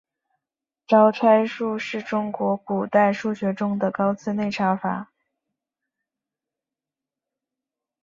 招差术是中国古代数学中的高次内插法。